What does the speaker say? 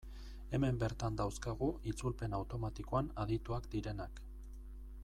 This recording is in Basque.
Hemen bertan dauzkagu itzulpen automatikoan adituak direnak.